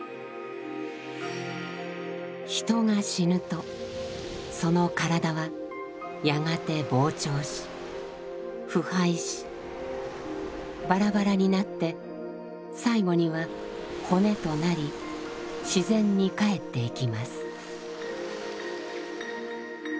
人が死ぬとその身体はやがて膨張し腐敗しバラバラになって最後には骨となり自然に返っていきます。